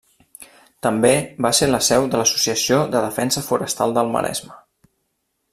També va ser la seu de l'Associació de Defensa Forestal del Maresme.